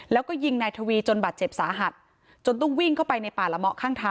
แล้วก็ยิงนายทวีจนบาดเจ็บสาหัสจนต้องวิ่งเข้าไปในป่าละเมาะข้างทาง